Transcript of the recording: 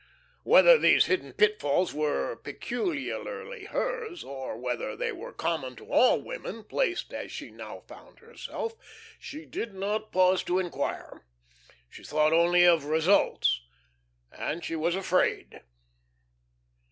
Whether these hidden pitfalls were peculiarly hers, or whether they were common to all women placed as she now found herself, she did not pause to inquire. She thought only of results, and she was afraid.